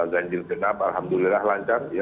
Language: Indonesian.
ganjil genap alhamdulillah lancar